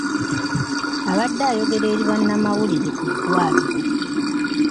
Abadde ayogerako eri bannamawulire ku ddwaliro.